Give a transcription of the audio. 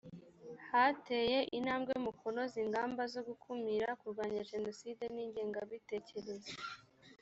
hateye intabwe mu kunoza ingamba zo gukumira kurwanya jenoside n ingengabitekerezo